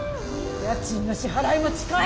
家賃の支払いも近い。